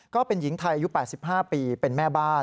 ก็เป็นหญิงไทยอายุ๘๕ปีเป็นแม่บ้าน